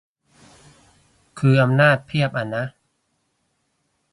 คืออำนาจเพียบอะนะ